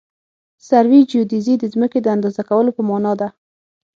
سروي جیودیزي د ځمکې د اندازه کولو په مانا ده